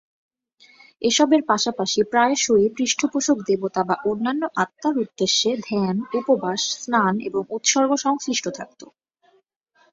এসবের পাশাপাশি প্রায়শই পৃষ্ঠপোষক দেবতা বা অন্যান্য আত্মার উদ্দেশ্যে ধ্যান, উপবাস, স্নান এবং উৎসর্গ সংশ্লিষ্ট থাকত।